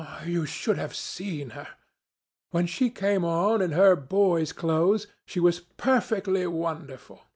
You should have seen her! When she came on in her boy's clothes, she was perfectly wonderful.